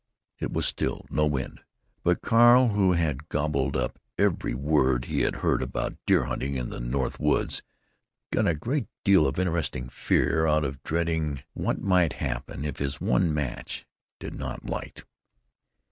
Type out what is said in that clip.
It was still; no wind; but Carl, who had gobbled up every word he had heard about deer hunting in the north woods, got a great deal of interesting fear out of dreading what might happen if his one match did not light.